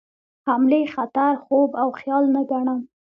حملې خطر خوب او خیال نه ګڼم.